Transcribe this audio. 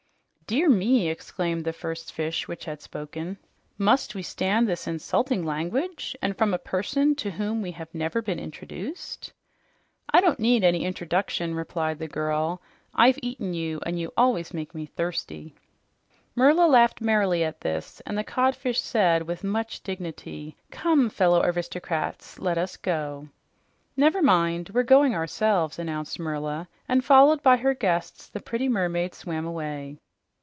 "Dear me!" exclaimed the first fish who had spoken. "Must we stand this insulting language and from a person to whom we have never been introduced?" "I don't need no interduction," replied the girl. "I've eaten you, and you always make me thirsty." Merla laughed merrily at this, and the codfish said, with much dignity, "Come, fellow aristocrats, let us go." "Never mind, we're going ourselves," announced Merla, and followed by her guests the pretty mermaid swam away.